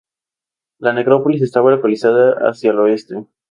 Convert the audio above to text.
La necrópolis estaba localizada hacia el oeste.